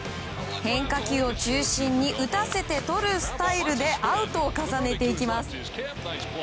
変化球を中心に打たせてとるスタイルでアウトを重ねていきます。